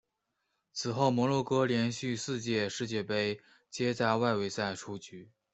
此后摩洛哥连续四届世界杯皆在外围赛出局。